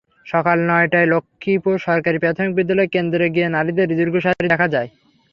সকাল নয়টায় লক্ষ্মীপুর সরকারি প্রাথমিক বিদ্যালয় কেন্দ্রে গিয়ে নারীদের দীর্ঘ সারি দেখা যায়।